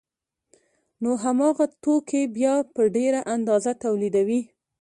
نو هماغه توکي بیا په ډېره اندازه تولیدوي